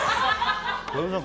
小籔さん